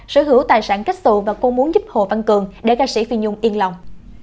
sở hữu tài sản cách tù và cô muốn giúp hồ văn cường để ca sĩ phi nhung yên lòng